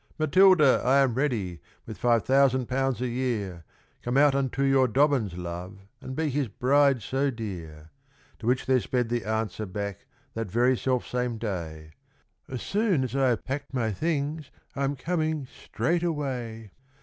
"Matilda, I am ready, with five thousand pounds a year; Come out unto your Dobbins, love, and be his bride so dear;" To which there sped the answer back that very self same day, "As soon as I have packed my things, I'm coming straight away."